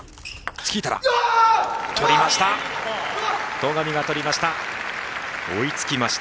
戸上が取りました。